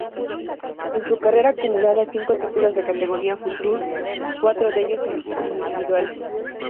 En su carrera acumula cinco títulos de categoría Future, cuatro de ellos en individuales.